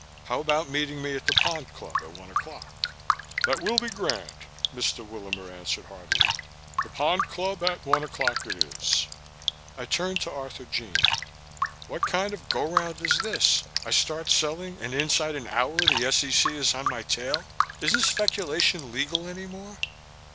"How about meeting me at the Pond Club at one o'clock?" "That will be grand," Mr. Willamer answered heartily. "The Pond Club at one o'clock it is." I turned to Arthurjean. "What kind of go round is this? I start selling and inside an hour the S.E.C. is on my tail. Isn't speculation legal any more?"